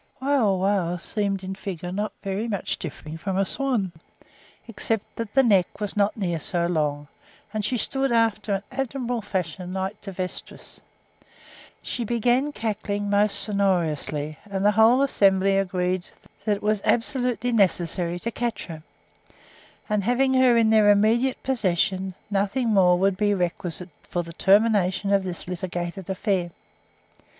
Wauwau seemed in figure not very much differing from a swan, except that the neck was not near so long, and she stood after an admirable fashion like to Vestris. She began cackling most sonorously, and the whole assembly agreed that it was absolutely necessary to catch her, and having her in their immediate possession, nothing more would be requisite for the termination of this litigated affair.